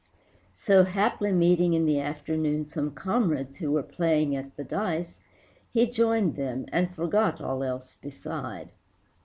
So, haply meeting in the afternoon Some comrades who were playing at the dice He joined them and forgot all else beside.